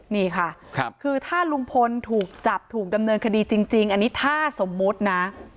นี่ค่ะคือถ้าลุงพลถูกจับถูกดำเนินคดีจริงอันนี้ถ้าสมมุตินะ